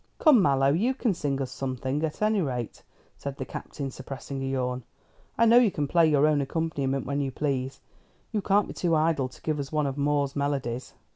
"Come, Mallow, you can sing us something, at any rate," said the Captain, suppressing a yawn. "I know you can play your own accompaniment, when you please. You can't be too idle to give us one of Moore's melodies."